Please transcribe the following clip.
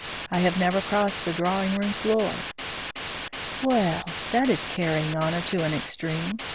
I have never crossed the drawing room floor." "Well! that is carrying honor to an extreme.